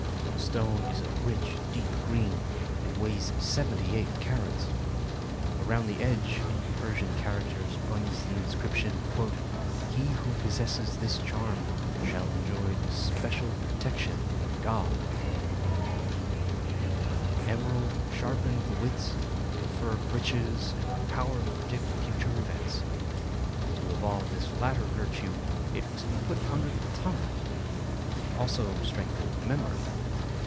The stone is of a rich deep green, and weighs 78 carats. Around the edge in Persian characters runs the inscription: "He who possesses this charm shall enjoy the special protection of God." Emerald sharpened the wits, conferred riches and the power to predict future events. To evolve this latter virtue it must be put under the tongue. It also strengthened the memory.